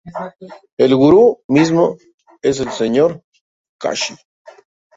El Gurú mismo es el señor de Kashi.